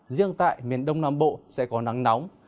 riêng tại miền đông nam bộ sẽ có nắng nóng